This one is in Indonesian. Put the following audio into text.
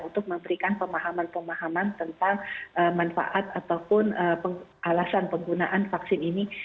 untuk memberikan pemahaman pemahaman tentang manfaat ataupun alasan penggunaan vaksin ini